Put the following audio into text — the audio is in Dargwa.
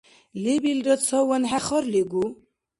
Лебилра цаван хӀехарлигу.